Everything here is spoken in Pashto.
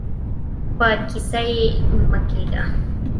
په کيسه کې يې مه کېږئ.